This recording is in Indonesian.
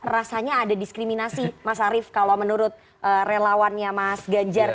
rasanya ada diskriminasi mas arief kalau menurut relawannya mas ganjar